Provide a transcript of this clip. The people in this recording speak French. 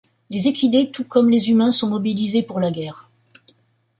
Les équidés tout comme les humains sont mobilisés pour la guerre.